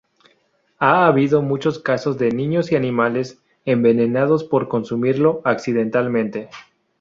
Ha habido muchos casos de niños y animales envenenados por consumirlo accidentalmente.